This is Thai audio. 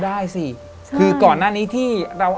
แต่ขอให้เรียนจบปริญญาตรีก่อน